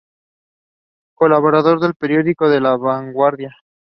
Colaborador del periódico "La Vanguardia".